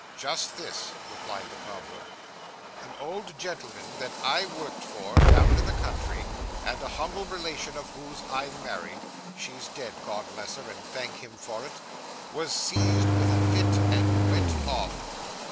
'Just this,' replied the cobbler; 'an old gentleman that I worked for, down in the country, and a humble relation of whose I married she's dead, God bless her, and thank Him for it! was seized with a fit and went off.